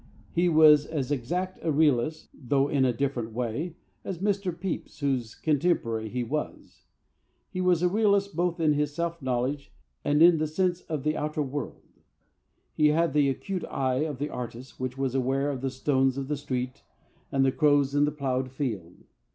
He was as exact a realist (though in a different way) as Mr. Pepys, whose contemporary he was. He was a realist both in his self knowledge and in his sense of the outer world. He had the acute eye of the artist which was aware of the stones of the street and the crows in the ploughed field.